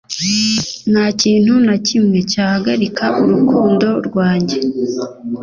nta kintu na kimwe cyahagarika urukundo rwanjye